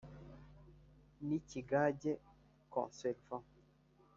ntikigage (Conserver)